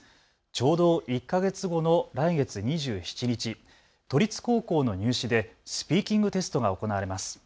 ちょうど１か月後の来月２７日、都立高校の入試でスピーキングテストが行われます。